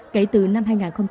kể từ năm hai nghìn bảy